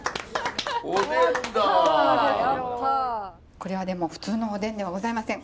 これはでも普通のおでんではございません。